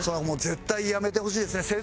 もう絶対やめてほしいですね。